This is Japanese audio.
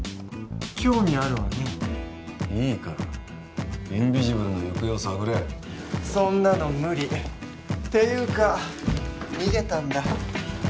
興味あるわねいいからインビジブルの行方を探れそんなの無理っていうか逃げたんだ